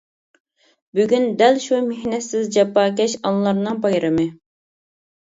بۈگۈن دەل شۇ مېھنەتسىز جاپاكەش ئانىلارنىڭ بايرىمى.